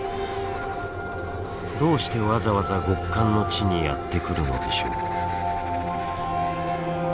どうしてわざわざ極寒の地にやって来るのでしょう。